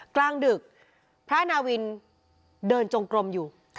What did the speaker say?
กลางดึกพระนาวินเดินจงกลมอยู่